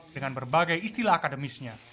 dengan berbagai istilah akademik